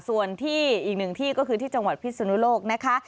ส่วนที่อีกหนึ่งที่ก็คือที่จังหวัดพิศนุโลกนะคะ